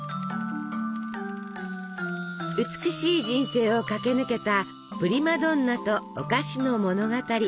美しい人生を駆け抜けたプリマドンナとお菓子の物語。